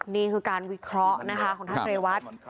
นี่คือการวิเคราะห์นะคะของท่านเรวัต